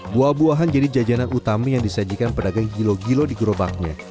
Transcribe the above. buah buahan jadi jajanan utama yang disajikan pedagang gilo gilo di gerobaknya